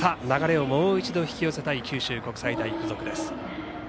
流れをもう一度引き寄せたい九州国際大付属です。